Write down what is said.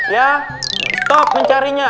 ya stop mencarinya